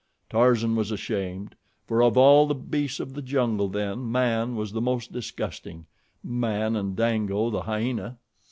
Tarzan was ashamed, for of all the beasts of the jungle, then, man was the most disgusting man and Dango, the hyena.